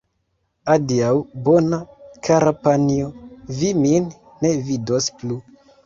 Adiaŭ, bona, kara panjo, vi min ne vidos plu!